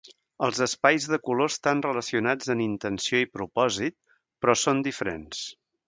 Els espais de color estan relacionats en intenció i propòsit, però són diferents.